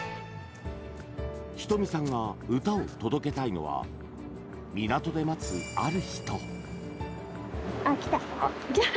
仁美さんが歌を届けたいのは港で待つ、ある人。